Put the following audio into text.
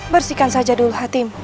bersihkan saja dulu hatimu